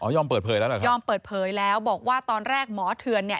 ยอมเปิดเผยแล้วเหรอครับยอมเปิดเผยแล้วบอกว่าตอนแรกหมอเทือนเนี่ย